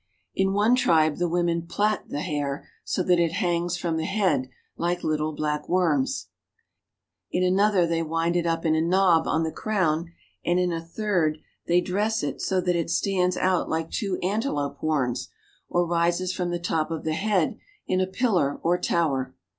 In one tribe the women plait the hair so that it hangs from the head like little black worms, in another they wind it up in a knob on the crown, and in a third they dress it so that it stands out like two antelope horns, or rises from the top of the head in a pillar or tower.